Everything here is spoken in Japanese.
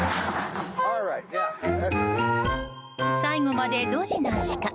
最後までドジなシカ。